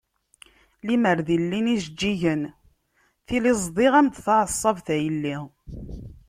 Limer di llin yijeǧǧigen tili ẓdiɣ-am-d taɛeṣṣabt a yelli.